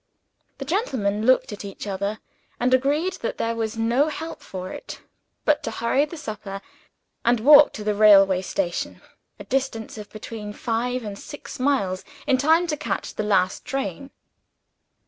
The gentlemen looked at each other and agreed that there was no help for it but to hurry the supper, and walk to the railway station a distance of between five and six miles in time to catch the last train.